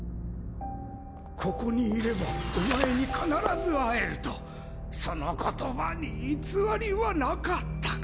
・ここにいればお前に必ず会えると・・その言葉に偽りはなかったか！